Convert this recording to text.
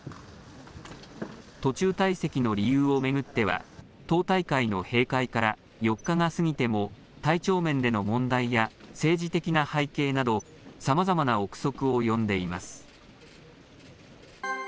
途中退席の理由を巡っては、党大会の閉会から４日が過ぎても、体調面での問題や政治的な背景など、さまざまな臆測を呼んでいます。